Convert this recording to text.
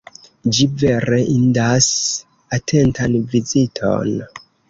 Ĝi vere indas atentan viziton.